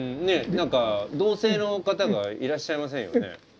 何か同性の方がいらっしゃいませんよね。